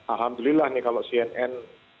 alhamdulillah nih kalau cnn